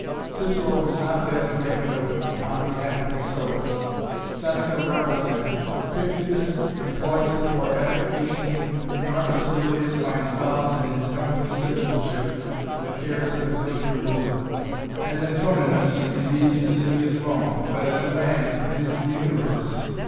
Cicero does not fail to make of it on behalf of the Stoics; Seneca revels in it; Epictetus employs it for edification and Maucus Aurelius finds solace in his heavenly citizenship for the cares of an earthly ruler as Antoninus indeed his city is Rome, but as a man it is the universe.